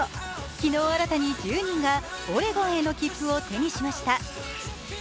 昨日新たに１０人がオレゴンへの切符を手にしました。